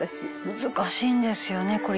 「難しいんですよねこれ。